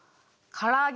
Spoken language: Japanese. からあげ。